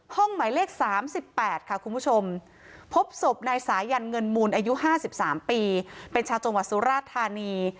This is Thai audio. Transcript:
หมายเลข๓๘ค่ะคุณผู้ชมพบศพนายสายันเงินมูลอายุ๕๓ปีเป็นชาวจังหวัดสุราธานี